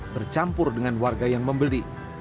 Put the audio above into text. bercampur dengan warga yang membeli